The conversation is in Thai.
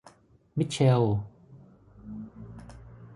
มิทเชล